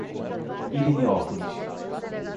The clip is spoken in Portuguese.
Irineópolis